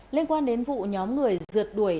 liên quan đến vụ nhóm người dượt đuổi